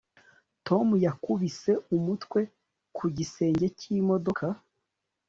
Tom yakubise umutwe ku gisenge cyimodoka